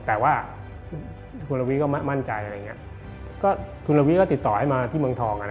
แต่ว่าคุณละวิก็มั่นใจคุณละวิก็ติดต่อให้มาที่เมืองทอง